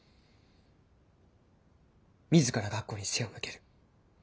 自ら学校に背を向ける。